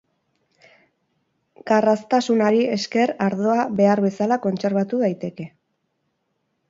Garraztasunari esker ardoa behar bezala kontserbatu daiteke.